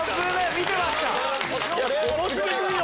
見てました。